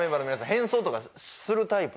変装とかするタイプ？